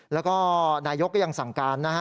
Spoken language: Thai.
แล้วก็นายก็ยังสั่งการ